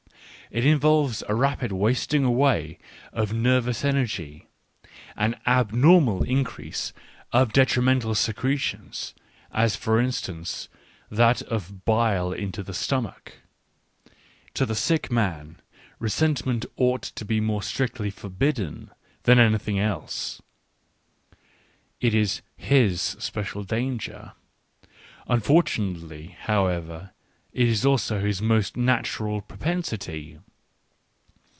It involves a rapid wasting away of nervous energy, an abnormal increase of detrimental secretions, as, for instance, that of bile into the stomach. To the sick man resentment ought to be more strictly forbidden than anything else — it is his special danger: unfortunately, however, it is also his most natural propensity.